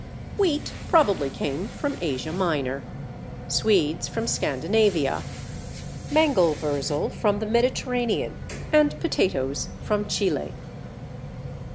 Wheat probably came from Asia Minor, Swedes from Scandinavia, Mangelwurzel from the Mediterranean, and Potatoes from Chile.